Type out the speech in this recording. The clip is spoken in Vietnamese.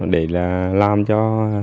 để là làm cho